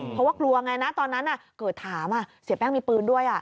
เพราะว่ากลัวไงนะตอนนั้นเกิดถามเสียแป้งมีปืนด้วย